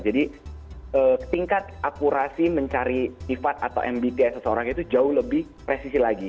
jadi tingkat akurasi mencari tifat atau mbti seseorang itu jauh lebih presisi lagi